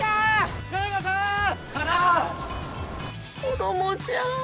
子どもちゃん。